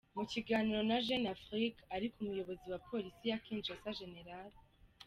Mu kiganiro na Jeune Afrique ariko Umuyobozi wa Polisi ya Kinshasa, Gen.